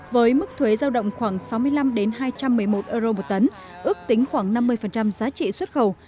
với mức thuế giao động khoảng sáu mươi năm hai trăm một mươi một euro một tấn ước tính khoảng năm mươi giá trị xuất khẩu